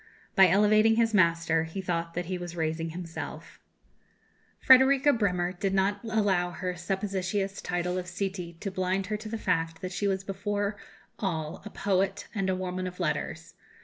By elevating his master he thought that he was raising himself." Frederika Bremer did not allow her supposititious title of Sitti to blind her to the fact that she was before all a poet and a woman of letters.